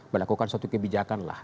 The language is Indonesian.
melakukan suatu kebijakan lah